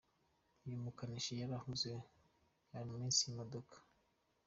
Uyu mukanishi yari ahuze ari munsi y’imodoka.